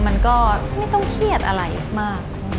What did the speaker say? มันก็ไม่ต้องเครียดอะไรมาก